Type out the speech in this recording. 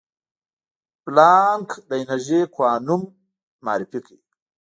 پلانک د انرژي کوانوم معرفي کړ.